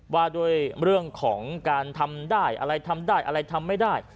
ว่าด้วยเรื่องของการทำได้อะไรทำได้อะไรทำไม่ได้